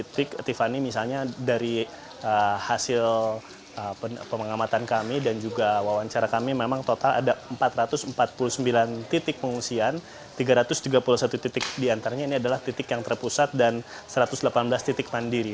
titik tiffany misalnya dari hasil pengamatan kami dan juga wawancara kami memang total ada empat ratus empat puluh sembilan titik pengungsian tiga ratus tiga puluh satu titik diantaranya ini adalah titik yang terpusat dan satu ratus delapan belas titik mandiri